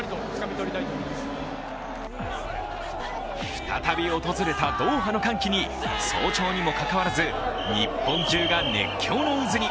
再び訪れたドーハの歓喜に早朝にもかかわらず日本中が熱狂の渦に。